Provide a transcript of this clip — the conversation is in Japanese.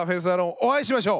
お会いしましょう。